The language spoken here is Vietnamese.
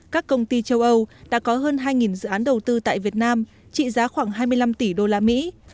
các công ty châu âu đã có hơn hai dự án đầu tư tại việt nam trị giá khoảng hai mươi năm tỷ đô la mỹ